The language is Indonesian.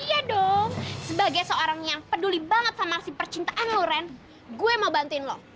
iya dong sebagai seorang yang peduli banget sama si percintaan loren gue mau bantuin lo